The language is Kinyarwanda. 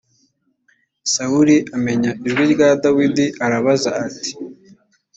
sawuli amenya ijwi rya dawidi arabaza ati